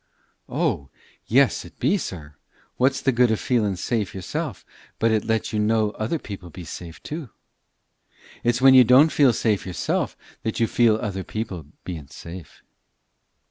"O! yes, it be, sir. What's the good of feeling safe yourself but it let you know other people be safe too? It's when you don't feel safe yourself that you feel other people ben't safe."